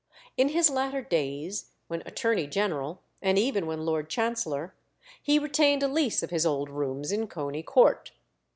In his latter days, when Attorney General, and even when Lord Chancellor, he retained a lease of his old rooms in Coney Court.